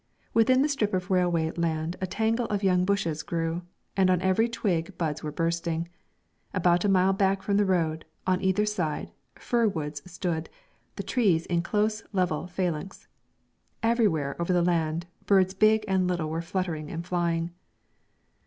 Within the strip of railway land a tangle of young bushes grew, and on every twig buds were bursting. About a mile back from the road, on either side, fir woods stood, the trees in close level phalanx. Everywhere over the land birds big and little were fluttering and flying.